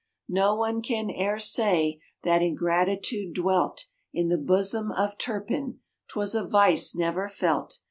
No one can e'er say That ingratitude dwelt In the bosom of Turpin, 'Twas a vice never felt.